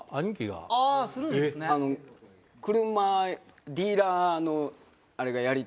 車ディーラーのあれがやりたくて。